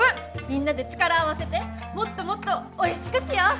みんなで力を合わせてもっともっとおいしくしよう！